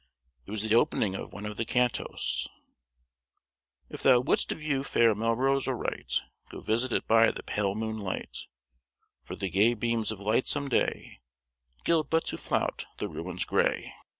It was the opening of one of the cantos: "If thou would'st view fair Melrose aright, Go visit it by the pale moonlight: For the gay beams of lightsome day, Gild but to flout the ruins gray."